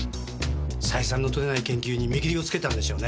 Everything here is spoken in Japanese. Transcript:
採算の取れない研究に見切りをつけたんでしょうね。